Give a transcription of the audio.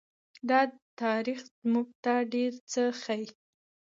دا تاریخ موږ ته ډېر څه ښيي.